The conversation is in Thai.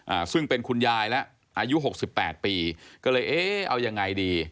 อ่าซึ่งเป็นคุณยายแล้วอายุหกสิบแปดปีก็เลยเอ๊ะเอายังไงดี